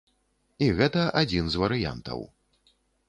І гэта адзін з варыянтаў.